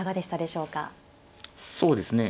そうですね